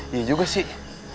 iya juga sih